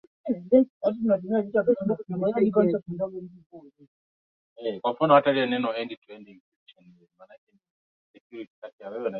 zilifika mnamo mwezi wa saba hadi mwezi wa nane